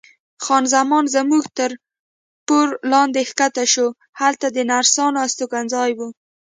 خان زمان زموږ تر پوړ لاندې کښته شوه، هلته د نرسانو استوګنځای و.